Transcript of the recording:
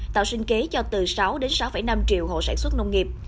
tạo sinh kế cho từ sáu đến sáu năm triệu hộ sản xuất nông nghiệp